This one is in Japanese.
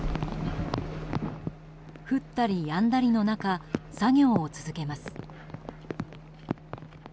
降ったりやんだりの中作業を続けます。